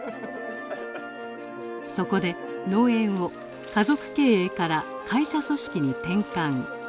そこで農園を家族経営から会社組織に転換。